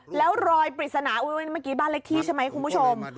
แล้วรอยปริศนาเมื่อกี้บ้านเลขที่ใช่ไหมคุณผู้ชม